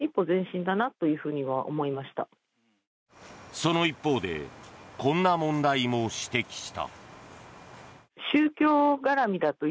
その一方でこんな問題も指摘した。